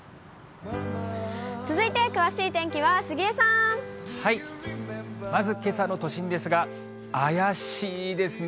続いて詳しい天気は、杉江さまず、けさの都心ですが、怪しいですね。